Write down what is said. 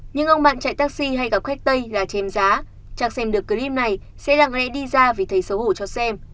nhưng ông bạn chạy taxi hay gặp khách tây là chém giá chẳng xem được clip này sẽ lặng lẽ đi ra vì thấy xấu hổ cho xem